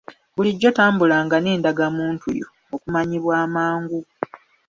Bulijjo tambulanga n'endagamuntu yo okumanyibwa amangu.